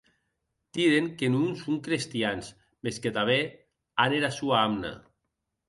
Diden que non son crestians, mès que tanben an era sua amna.